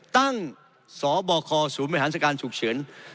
ตั้งสบคศูนย์มหาศัลการณ์ฉุกเฉิน